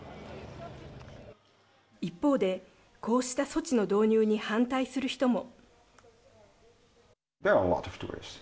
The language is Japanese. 一方で、こうした措置の導入に反対する人も。